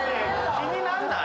気になんない？